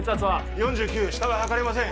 ４９下は測れません